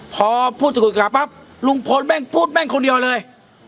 พอพูดตากูก๋อนก็กรับอัปลุงพลแม่งพูดแม่งคนเดียวเลย